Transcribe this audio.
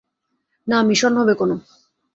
না, মিশন হবে কোনো।